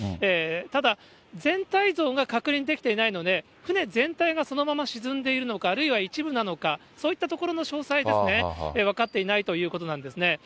ただ、全体像が確認できていないので、船全体がそのまま沈んでいるのか、あるいは一部なのか、そういったところの詳細ですね、分かっていないということなんですね。